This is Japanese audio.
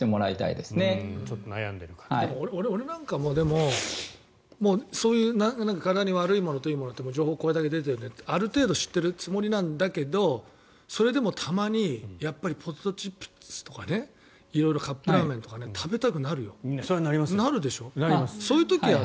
でも、俺なんかもでも、そういう体に悪いもの、いいものって情報がこれだけ出ているのである程度知ってるつもりなんだけどそれでもたまにやっぱりポテトチップスとか色々、カップラーメンとか食べたくなる。